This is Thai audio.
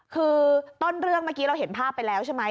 คือต้นเรื่องเมื่อกี้เราเห็นภาพไปแล้วใช่ไหม